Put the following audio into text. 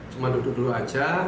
cuma duduk dulu aja